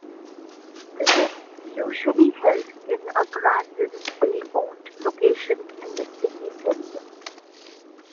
This is usually held in a grand municipally owned location in the city centre.